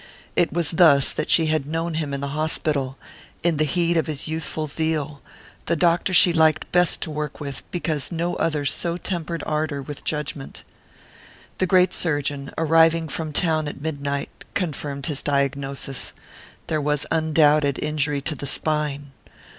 It was thus that she had known him in the hospital, in the heat of his youthful zeal: the doctor she liked best to work with, because no other so tempered ardour with judgment. The great surgeon, arriving from town at midnight, confirmed his diagnosis: there was undoubted injury to the spine.